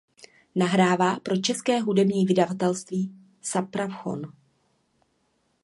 Nahrává pro české hudební vydavatelství Supraphon.